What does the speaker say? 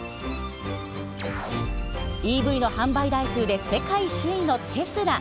ＥＶの販売台数で世界首位のテスラ。